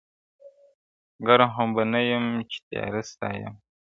ګرم خو به نه یم چي تیاره ستایمه,